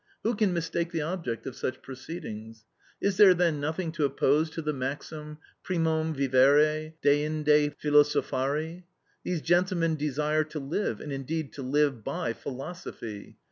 Who can mistake the object of such proceedings? Is there then nothing to oppose to the maxim, primum vivere, deinde philosophari? These gentlemen desire to live, and indeed to live by philosophy.